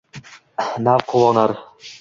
Na quvonar